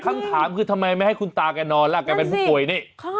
คำถามคือทำไมไม่ให้คุณตาแกนอนล่ะแกเป็นผู้ป่วยนี่